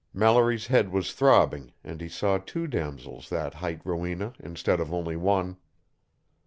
Mallory's head was throbbing, and he saw two damosels that hight Rowena instead of only one.